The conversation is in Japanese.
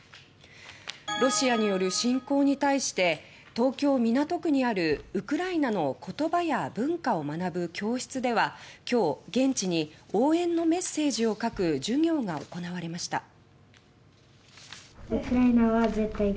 ロシアによる侵攻に対して東京・港区にあるウクライナの言葉や文化を学ぶ教室では今日、現地に応援のメッセージを書く授業が行われました。